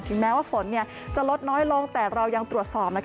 แม้ว่าฝนจะลดน้อยลงแต่เรายังตรวจสอบ